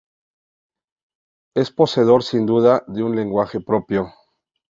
Es poseedor, sin duda, de un lenguaje propio.